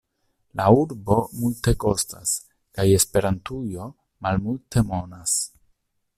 La urbo multekostas kaj Esperantujo malmultemonas.